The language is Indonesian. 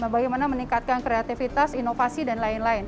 bagaimana meningkatkan kreativitas inovasi dan lain lain